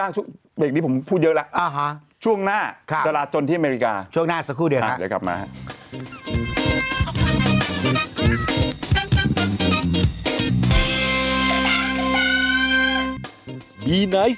ร้อนเหมือนร้อนจะนั่งหาข้อมูลว่าจะเล่าอะไรถูกต้องมั้ยเอง